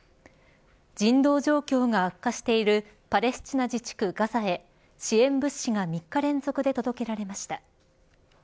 人道状況が悪化しているパレスチナ自治区ガザへ支援物資が３日連続で届けられました。